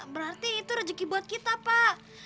berarti itu rezeki buat kita pak